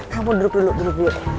kamu duduk dulu duduk dulu